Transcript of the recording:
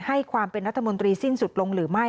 ให้ความเป็นรัฐมนตรีสิ้นสุดลงหรือไม่